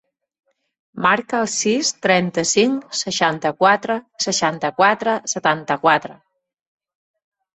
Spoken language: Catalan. Marca el sis, trenta-cinc, seixanta-quatre, seixanta-quatre, setanta-quatre.